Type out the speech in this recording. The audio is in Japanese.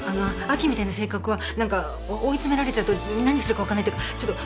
亜紀みたいな性格は何か追い詰められちゃうと何するか分かんないっていうか。